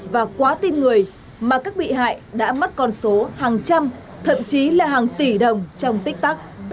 và quá tin người mà các bị hại đã mất con số hàng trăm thậm chí là hàng tỷ đồng trong tích tắc